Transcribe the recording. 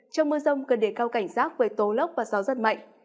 trong mưa rông cần đề cao cảnh giác với tố lốc và gió rất mạnh